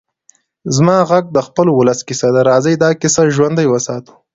زما غږ د خپل ولس کيسه ده؛ راځئ دا کيسه ژوندۍ وساتو.